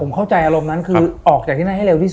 ผมเข้าใจอารมณ์นั้นคือออกจากที่นั่นให้เร็วที่สุด